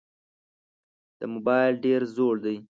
دا موبایل ډېر زوړ دی.